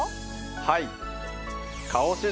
はい。